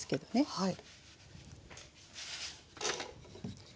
はい。